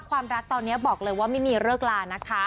ความรักตอนนี้บอกเลยว่าไม่มีเลิกลานะคะ